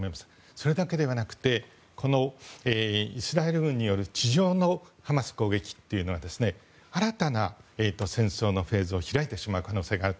それだけではなくてイスラエル軍による地上のハマス攻撃は新たな戦争のフェーズを開いてしまう可能性がある。